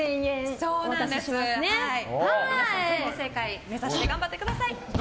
皆さん、全問正解目指して頑張ってください！